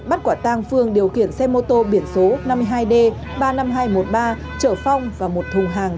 bắt quả tang phương điều khiển xe mô tô biển số năm mươi hai d ba mươi năm nghìn hai trăm một mươi ba trở phong và một thùng hàng